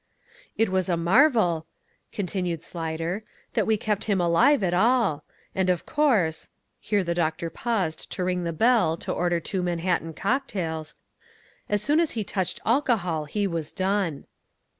"It was a marvel," continued Slyder, "that we kept him alive at all. And, of course" here the doctor paused to ring the bell to order two Manhattan cocktails "as soon as he touched alcohol he was done."